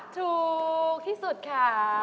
ถูกที่สุดค่ะ